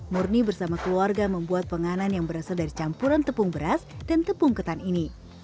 murni bersama keluarga membuat penganan yang berasal dari campuran tepung beras dan tepung ketan ini